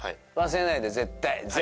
忘れないで絶対。